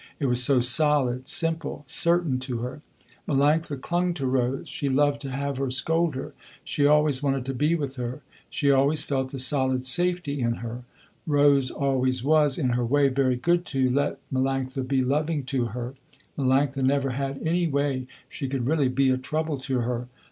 It was so solid, simple, certain to her. Melanctha clung to Rose, she loved to have her scold her, she always wanted to be with her. She always felt a solid safety in her; Rose always was, in her way, very good to let Melanctha be loving to her. Melanctha never had any way she could really be a trouble to her.